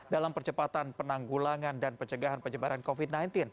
dalam percepatan penanggulangan dan pencegahan penyebaran covid sembilan belas